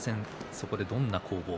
そこでどんな攻防が。